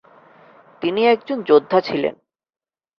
তিনি একজন যোদ্ধা ছিলেন।